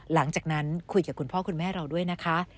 หลังจากนั้นคุยกับคุณพ่อคุณแม่เราด้วยนะคะ